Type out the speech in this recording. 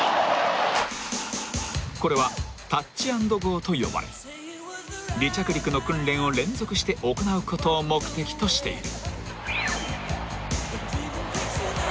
［これはタッチ＆ゴーと呼ばれ離着陸の訓練を連続して行うことを目的としている］